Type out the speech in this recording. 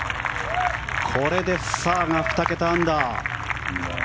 これでサーが２桁アンダー。